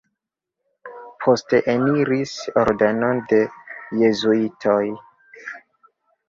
Poste eniris ordenon de jezuitoj.